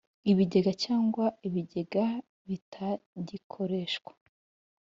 Ibigega cyangwa ibigega bitagikoreshwa